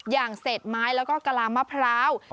อย่างเศษไม้แล้วก็กะลามะพร้าว